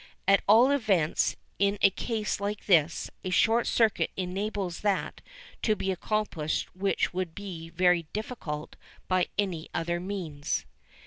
At all events, in a case like this, a short circuit enables that to be accomplished which would be very difficult by any other means.